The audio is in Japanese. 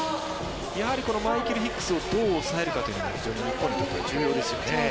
やはりマイケル・ヒックスどう抑えるかというの日本にとっては重要ですよね。